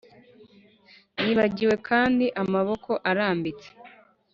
Nibagiwe kandi amaboko arambitse